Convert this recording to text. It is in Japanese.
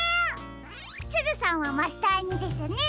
すずさんはマスターにですね。